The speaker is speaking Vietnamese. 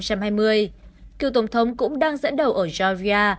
cựu tổng thống cũng đang dẫn đầu ở georgia